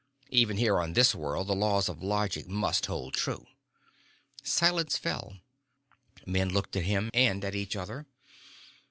Even here on this world the laws of logic must hold true." Silence fell. Men looked at him and at each other.